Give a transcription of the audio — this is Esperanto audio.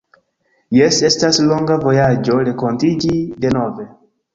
Jes estas longa vojaĝo renkontiĝi denove